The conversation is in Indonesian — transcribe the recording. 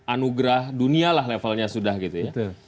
anugerah dunia lah levelnya sudah gitu ya